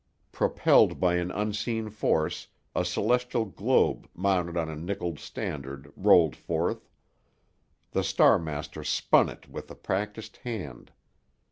Propelled by an unseen force, a celestial globe mounted on a nickeled standard, rolled forth. The Star master spun it with a practised hand.